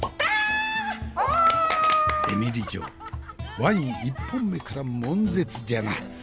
えみり嬢ワイン１本目からもん絶じゃな。